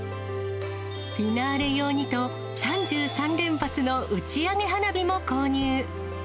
フィナーレ用にと、３３連発の打ち上げ花火も購入。